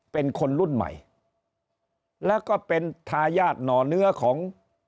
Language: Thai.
เป็นคนรุ่นใหม่แล้วก็เป็นทายาทหน่อเนื้อของ